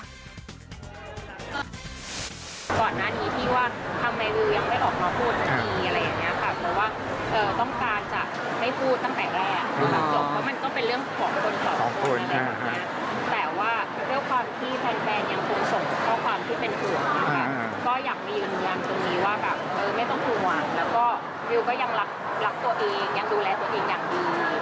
ก็อยากมีคำนวณตรงนี้ว่าไม่ต้องห่วงแล้วก็วิวก็ยังรักตัวเองยังดูแลตัวเองอย่างดี